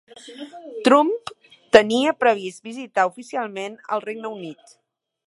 Trump tenia previs visitar oficialment al Regne Unit